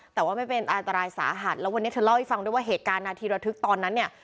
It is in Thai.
แต่ว่าไม่เป็นอันตรายสาหัสแล้ววันนี้เธอเล่าให้ฟังด้วยว่าเหตุการณ์นาทีระทึกตอนนั้นเนี่ย